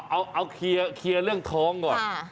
เอาเคลียร์เรื่องท้องก่อน